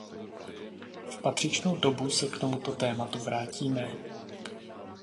V patřičnou dobu se k tomuto tématu vrátíme.